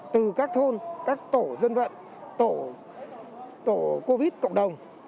từ các thôn các tổ dân vận tổ covid cộng đồng